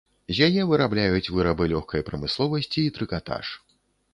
З яе вырабляюць вырабы лёгкай прамысловасці і трыкатаж.